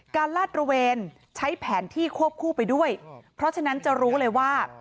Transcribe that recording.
ลาดระเวนใช้แผนที่ควบคู่ไปด้วยเพราะฉะนั้นจะรู้เลยว่า